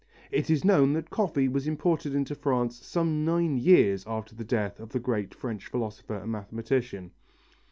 It is known that coffee was imported into France some nine years after the death of the great French philosopher and mathematician.